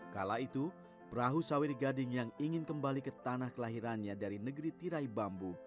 kala itu perahu sawiri gading yang ingin kembali ke tanah kelahirannya dari negeri tirai bambu